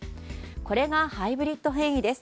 これがハイブリッド変異です。